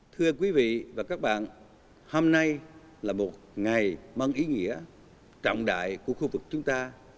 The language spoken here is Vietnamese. thưa quý vị và các bạn hôm nay là một ngày mân ý nghĩa trọng đại của khu vực chúng ta